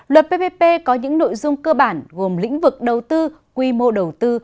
luật ppp có những nội dung cơ bản gồm lĩnh vực đầu tư quy mô đầu tư